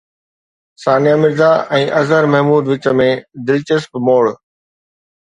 ثانيه مرزا ۽ اظهر محمود وچ ۾ دلچسپ موڙ